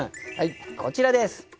こちらです。